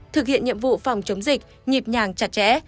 thực hiện nhiệm vụ phòng chống dịch nhịp nhàng chặt chẽ